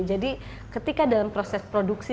jadi ketika dalam proses produksi